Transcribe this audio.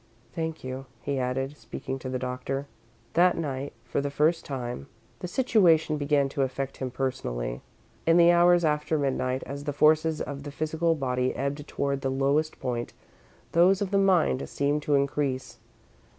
Thank you," he added, speaking to the doctor. That night, for the first time, the situation began to affect him personally. In the hours after midnight, as the forces of the physical body ebbed toward the lowest point, those of the mind seemed to increase.